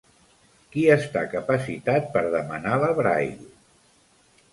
Qui està capacitat per demanar la Braille?